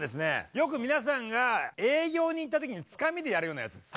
よく皆さんが営業に行った時につかみでやるようなやつです。